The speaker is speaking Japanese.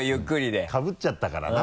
今かぶっちゃったからな。